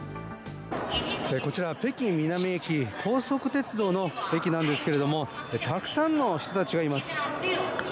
こちら北京南駅高速鉄道の駅なんですけれどたくさんの人たちがいます。